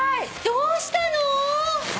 どうしたの？